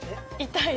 痛い？